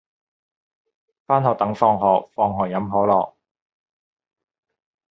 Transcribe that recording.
返學等放學放學飲可樂